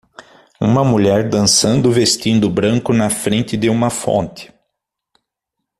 Uma mulher dançando vestindo branco na frente de uma fonte.